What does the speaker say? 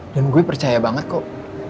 dan gue percaya banget kok